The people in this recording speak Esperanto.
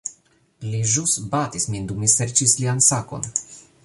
Li ĵus batis min dum mi serĉis lian sakon